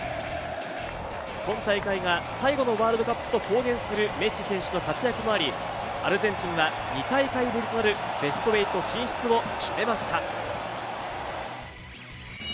今大会が最後のワールドカップと公言するメッシ選手の活躍もあり、アルゼンチンが２大会ぶりとなるベスト８進出を決めました。